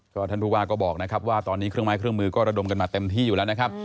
ท่านผู้ว่าก็บอกนะครับว่าตอนนี้เครื่องไม้เครื่องมือก็ระดมกันมาเต็มที่อยู่แล้วนะครับ